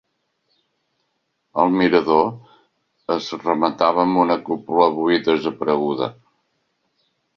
El mirador es rematava amb una cúpula avui desapareguda.